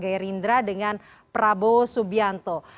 geyer indra dengan prabowo subianto